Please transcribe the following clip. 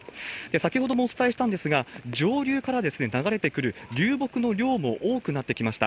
先ほどもお伝えしたんですが、上流から流れてくる流木の量も多くなってきました。